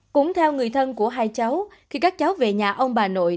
cũng theo người thân của hai cháu khi các cháu về nhà ông bà nội